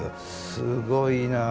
すごいなあ。